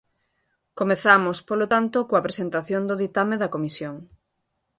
Comezamos, polo tanto, coa presentación do ditame da Comisión.